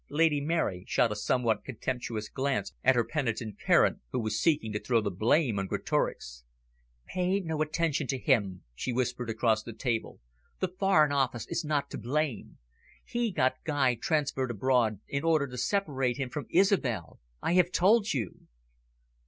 Lady Mary shot a somewhat contemptuous glance at her penitent parent, who was seeking to throw the blame on Greatorex. "Pay no attention to him," she whispered across the table. "The Foreign Office is not to blame. He got Guy transferred abroad in order to separate him from Isobel. I have told you."